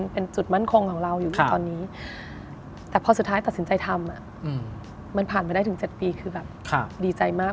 เป็นจุดมั่นคงของเราอยู่ในตอนนี้แต่พอสุดท้ายตัดสินใจทำมันผ่านไปได้ถึง๗ปีคือแบบดีใจมาก